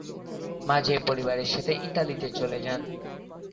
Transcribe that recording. মাঝে পরিবারের সাথে ইতালিতে চলে যান।